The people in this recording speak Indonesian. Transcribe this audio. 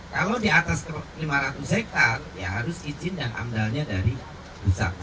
kalau di atas lima ratus hektare ya harus izin dan amdalnya dari pusat